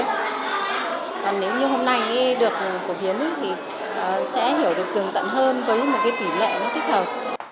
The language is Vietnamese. còn nếu như hôm nay được phổ biến thì sẽ hiểu được tường tận hơn với một cái tỷ lệ nó thích hợp